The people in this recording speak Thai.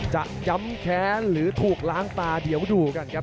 จะย้ำแค้นหรือถูกล้างตาเดี๋ยวดูกันครับ